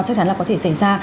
chắc chắn là có thể xảy ra